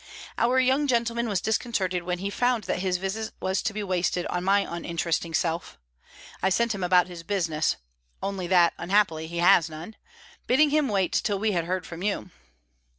Our young gentleman was disconcerted when he found that his visit was to be wasted on my uninteresting self. I sent him about his business only that, unhappily, he has none bidding him wait till we had heard from you.